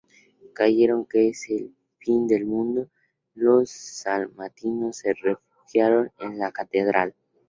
Creyendo que es el fin del mundo los salmantinos se refugiaron en la Catedral.